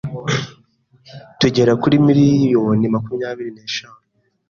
tugera kuri Miliyoni makumyabiri neshanu